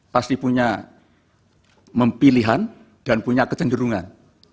pasti punya mempilihan dan punya kecenderungan